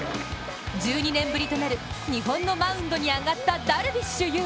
１２年ぶりとなる日本のマウンドに上がったダルビッシュ有。